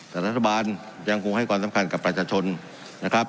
แต่รัฐบาลยังคงให้ความสำคัญกับประชาชนนะครับ